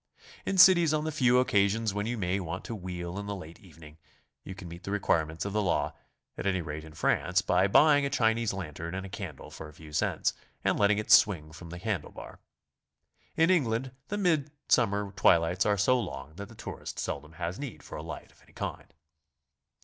In cities on the few occasions when you may want to wheel in the late evening, you can meet the requirements of the law, at any rate in France, by buying a Chinese lantern and a candle for a few cents, and letting it swing from the handle bar. In England the mid summer twilights are so long that the tourist seldom has need for a light of any kind.